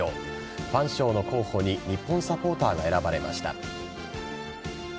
ファン賞の候補に日本サポーターが選ばれました。